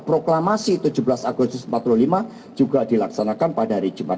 proklamasi tujuh belas agustus seribu sembilan ratus lima juga dilaksanakan pada hari jumat